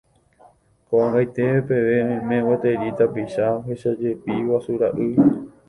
Ko'ag̃aite peve oime gueteri tapicha ohechávajepi guasu ra'y.